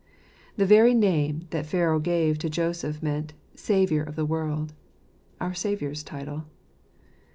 The very name that Pharaoh gave to Joseph meant " Saviour of the world "— our Saviour's title.